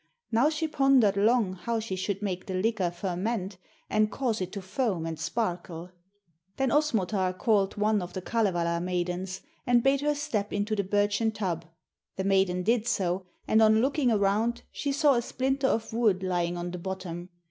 Now she pondered long how she should make the liquor ferment and cause it to foam and sparkle. 'Then Osmotar called one of the Kalevala maidens and bade her step into the birchen tub. The maiden did so, and on looking around she saw a splinter of wood lying on the bottom.